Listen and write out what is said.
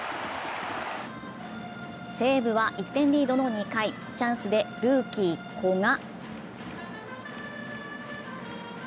西武は１点リードの２回、チャンスでルーキー・古賀。